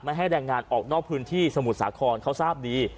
ให้แรงงานออกนอกพื้นที่สมุทรสาครเขาทราบดี